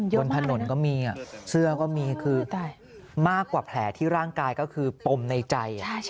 บนถนนก็มีเสื้อก็มีคือมากกว่าแผลที่ร่างกายก็คือปมในใจ